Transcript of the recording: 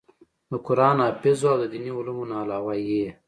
د قران حافظ وو او د ديني علومو نه علاوه ئې